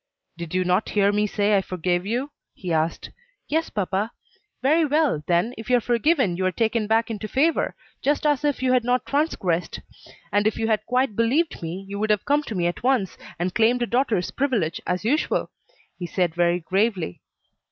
"Did you not hear me say I forgave you?" he asked. "Yes, papa." "Very well, then, if you are forgiven you are taken back into favor, just as if you had not transgressed; and if you had quite believed me, you would have come to me at once, and claimed a daughter's privilege, as usual," he said very gravely.